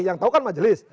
yang tahu kan majelis